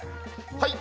はい。